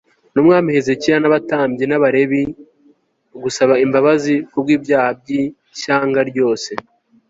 n'umwami hezekiya n'abatambyi n'abalewi gusaba imbabazi kubw'ibyaha by'ishyanga ryose